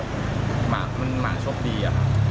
ก็หมามันหมาโชคดี